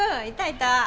いたいた。